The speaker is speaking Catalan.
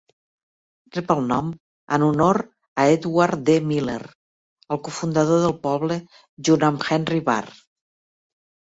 Rep el nom en honor a Edward D. Miller, el cofundador del poble junt amb Henry Barr.